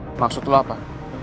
wah maksud lo apa